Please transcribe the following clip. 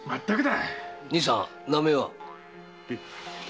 兄さん名前は？